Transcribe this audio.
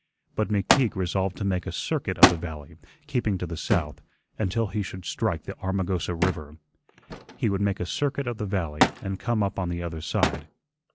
But McTeague resolved to make a circuit of the valley, keeping to the south, until he should strike the Armagosa River. He would make a circuit of the valley and come up on the other side.